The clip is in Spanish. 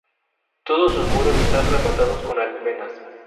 Todos sus muros están rematados con almenas.